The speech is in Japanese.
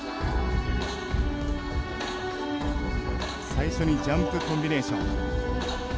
最初にジャンプコンビネーション。